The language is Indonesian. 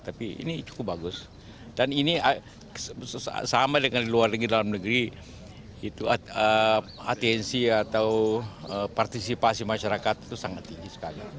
tapi ini cukup bagus dan ini sama dengan di luar negeri dalam negeri atensi atau partisipasi masyarakat itu sangat tinggi sekali